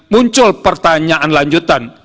muncul pertanyaan lanjutan